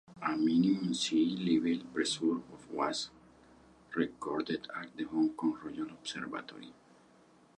A minimum sea level pressure of was recorded at the Hong Kong Royal Observatory.